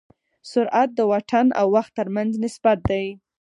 سرعت د واټن او وخت تر منځ نسبت دی.